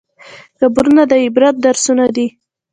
قبرونه د عبرت درسونه دي.